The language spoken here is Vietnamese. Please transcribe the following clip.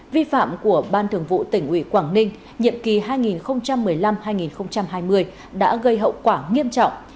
vi phạm của ban thường vụ tỉnh ủy quảng ninh nhiệm kỳ hai nghìn một mươi năm hai nghìn hai mươi đã gây hậu quả nghiêm trọng